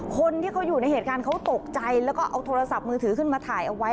คนที่เขาอยู่ในเหตุการณ์เขาตกใจแล้วก็เอาโทรศัพท์มือถือขึ้นมาถ่ายเอาไว้